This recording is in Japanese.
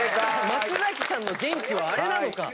松崎さんの元気はあれか。